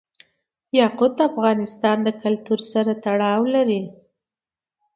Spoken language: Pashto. یاقوت د افغان کلتور سره تړاو لري.